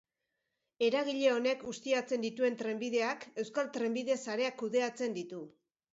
Eragile honek ustiatzen dituen trenbideak Euskal Trenbide Sareak kudeatzen ditu.